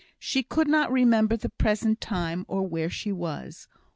She could not remember the present time, or where she was.